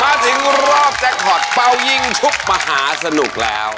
มาถึงรอบแจกหอดเป่ายิงชุบมหาสนุกแล้ว